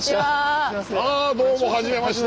あどうもはじめまして。